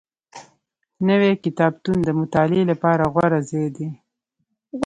نوی کتابتون د مطالعې لپاره غوره ځای دی